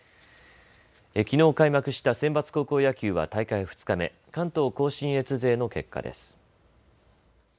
きのう開幕したセンバツ高校野球は大会２日目、関東甲信越勢の結果です。